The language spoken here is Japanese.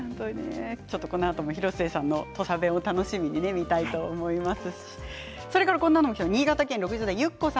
このあとも広末さんの土佐弁を楽しみに見たいと思います。